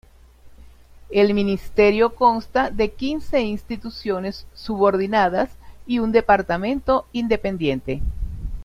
El ministerio consta de quince instituciones subordinadas y un departamento independiente.